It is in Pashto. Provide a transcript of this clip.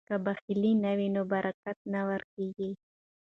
که بخل نه وي نو برکت نه ورکیږي.